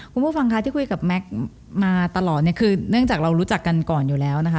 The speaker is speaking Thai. คุณผู้ฟังค่ะที่คุยกับแม็กซ์มาตลอดเนี่ยคือเนื่องจากเรารู้จักกันก่อนอยู่แล้วนะคะ